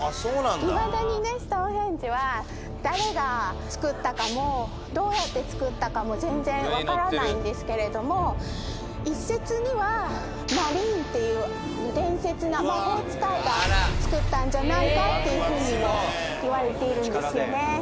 いまだにねストーンヘンジは誰が造ったかもどうやって造ったかも全然わからないんですけれども一説にはマリーンっていう伝説の魔法使いが造ったんじゃないかっていうふうにも言われているんですよね